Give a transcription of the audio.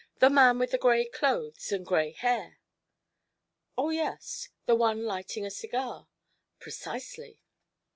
The man with the gray clothes and gray hair." "Oh, yes; the one lighting a cigar." "Precisely."